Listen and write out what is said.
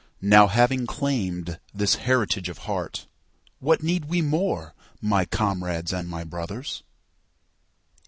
Now, having claimed this heritage of heart, What need we more, my comrades and my brothers?